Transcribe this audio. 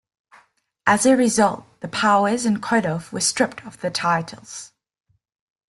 As a result, the Powers and Koloff were stripped of the titles.